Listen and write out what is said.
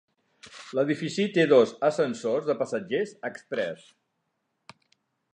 L'edifici té dos ascensors de passatgers exprés.